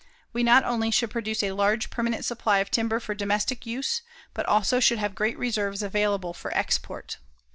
We not only should produce a large permanent supply of timber for domestic use, but also should have great reserves available for export.